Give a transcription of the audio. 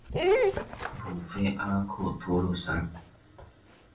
鲁菲阿克托洛桑。